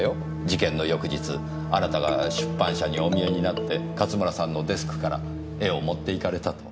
事件の翌日あなたが出版社にお見えになって勝村さんのデスクから絵を持っていかれたと。